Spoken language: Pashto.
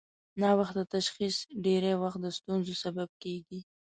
ناوخته تشخیص ډېری وخت د ستونزو سبب کېږي.